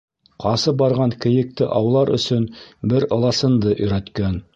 Ҡасып барған кейекте аулар өсөн бер ыласынды өйрәткән.